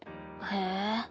へえ。